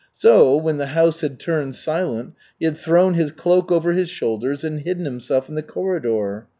So, when the house had turned silent, he had thrown his cloak over his shoulders and hidden himself in the corridor.